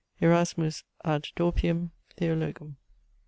ERASMUS ad Dorpium, Theologum.